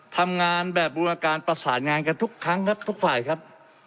ทำงานแบบบูรการประสานงานกันทุกครั้งครับทุกฝ่ายครับ